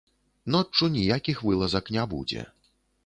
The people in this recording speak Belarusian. Ноччу ніякіх вылазак не будзе.